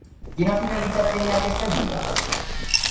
Quina finalitat tenia aquesta Lliga?